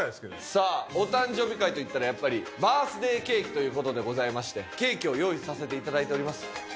さあお誕生日会といったらやっぱりバースデーケーキという事でございましてケーキを用意させて頂いております。